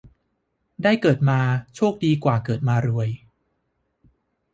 ได้เกิดมาโชคดีกว่าเกิดมารวย